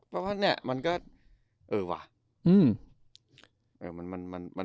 เพราะว่าเนี่ยมันก็เออว่ะ